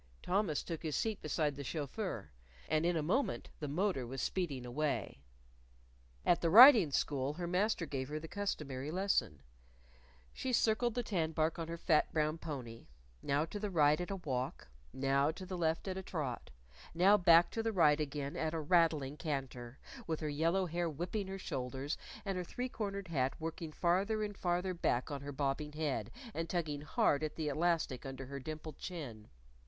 Thomas took his seat beside the chauffeur. And in a moment the motor was speeding away. At the riding school, her master gave her the customary lesson: She circled the tanbark on her fat brown pony now to the right, at a walk; now to the left, at a trot; now back to the right again at a rattling canter, with her yellow hair whipping her shoulders, and her three cornered hat working farther and farther back on her bobbing head, and tugging hard at the elastic under her dimpled chin.